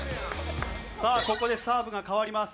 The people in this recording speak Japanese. さあここでサーブが代わります。